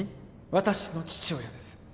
私の父親です